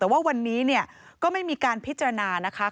แต่ว่าวันนี้เนี่ยก็ไม่มีการพิจารณานะคะ